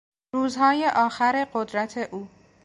روزهای آخر قدرت او